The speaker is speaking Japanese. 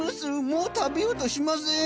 もう食べようとしません。